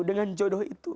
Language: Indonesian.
dengan jodoh itu